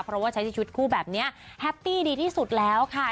เพราะว่าใช้ชุดคู่แบบนี้แฮปปี้ดีที่สุดแล้วค่ะ